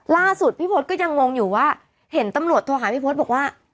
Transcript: ล่าสุดพี่พศก็ยังงงอยู่ว่าเห็นตำรวจโทรหาพี่พศบอกว่า